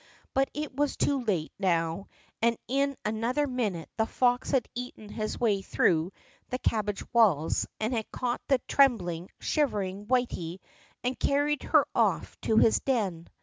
But it was too late now, and in another minute the fox had eaten his way through the cabbage walls and had caught the trembling, shivering Whity and carried her off to his den.